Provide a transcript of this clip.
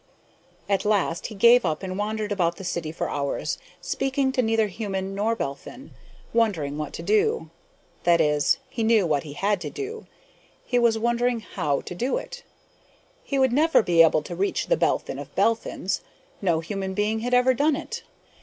At last he gave up and wandered about the city for hours, speaking to neither human nor Belphin, wondering what to do. That is, he knew what he had to do; he was wondering how to do it. He would never be able to reach The Belphin of Belphins. No human being had ever done it.